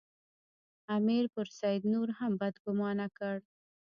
امیر پر سید نور هم بدګومانه کړ.